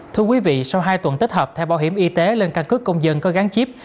thưa quý vị sau hai tuần tích hợp thẻ bảo hiểm y tế lên căn cứ công dân có gắn chip